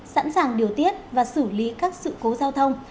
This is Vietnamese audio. sẵn sàng điều tiết và xử lý các sự cố giao thông